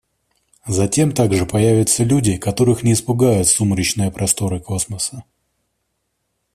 Затем также появятся люди, которых не испугают сумрачные просторы космоса».